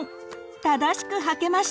正しくはけました。